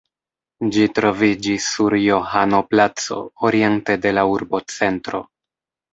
Ĝi troviĝis sur Johano-placo, oriente de la urbocentro.